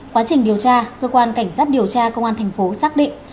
quá trình điều tra cơ quan cảnh sát điều tra công an tp hcm xác định